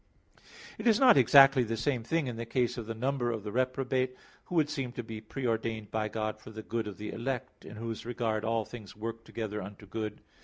It is not exactly the same thing in the case of the number of the reprobate, who would seem to be pre ordained by God for the good of the elect, in whose regard "all things work together unto good" (Rom.